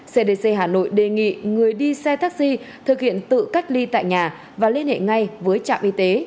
cdc hà nội đề nghị người đi xe taxi thực hiện tự cách ly tại nhà và liên hệ ngay với trạm y tế